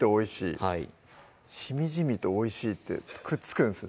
はい「しみじみ」と「おいしい」ってくっつくんですね